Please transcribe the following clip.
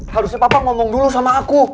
harusnya papa ngomong dulu sama aku